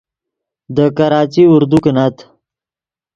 دے کراچی اردو کینت